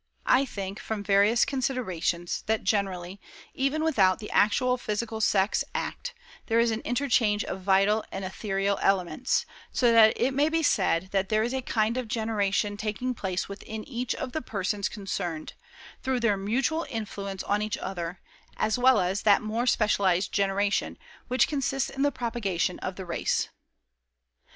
I think, from various considerations, that, generally, even without the actual physical sex act, there is an interchange of vital and ethereal elements so that it may be said that there is a kind of generation taking place within each of the persons concerned, through their mutual influence on each other, as well as that more specialized generation which consists in the propagation of the race."